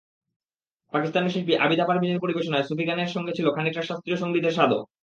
পাকিস্তানের শিল্পী আবিদা পারভীনের পরিবেশনায় সুফিগানের সঙ্গে ছিল খানিকটা শাস্ত্রীয় সংগীতের স্বাদও।